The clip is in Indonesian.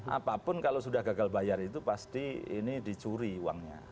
apapun kalau sudah gagal bayar itu pasti ini dicuri uangnya